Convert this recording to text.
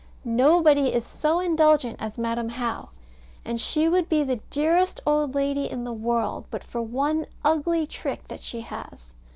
Nobody is so indulgent as Madam How: and she would be the dearest old lady in the world, but for one ugly trick that she has.